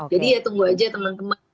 jadi ya tunggu aja teman teman